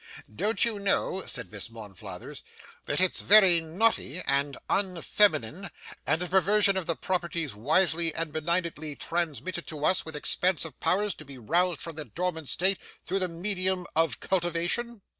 'Don't you know,' said Miss Monflathers, 'that it's very naughty and unfeminine, and a perversion of the properties wisely and benignantly transmitted to us, with expansive powers to be roused from their dormant state through the medium of cultivation?